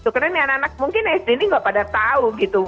karena ini anak anak mungkin sd ini nggak pada tahu gitu